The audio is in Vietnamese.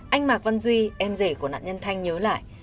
anh mạc văn duy em rể của nạn nhân thanh nhớ lại